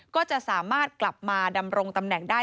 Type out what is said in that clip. ก็จะสามารถกลับมาดำรงตำแหน่งได้